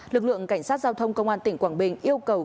lực lượng cảnh sát giao thông công an tỉnh quảng bình yêu cầu